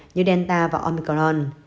như delta và omicron